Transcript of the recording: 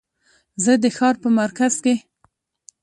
زه د ښار په مرکز کې